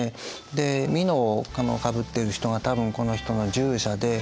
でみのをかぶってる人が多分この人の従者で。